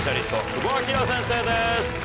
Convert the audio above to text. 久保明先生です。